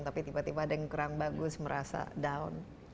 tapi tiba tiba ada yang kurang bagus merasa down